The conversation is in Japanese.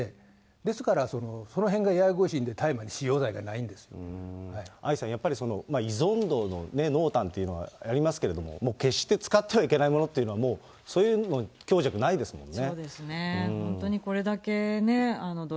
ですからそのへんがややこしいんで、愛さん、やっぱり依存度の濃淡というのはありますけれども、決して使ってはいけないものというのは、もうそういう強弱ないですもんね。